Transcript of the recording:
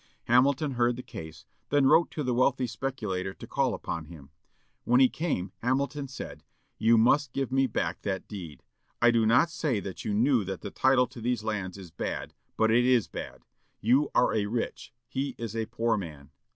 Hamilton heard the case; then wrote to the wealthy speculator to call upon him. When he came, Hamilton said, "You must give me back that deed. I do not say that you knew that the title to these lands is bad; but it is bad. You are a rich he is a poor man.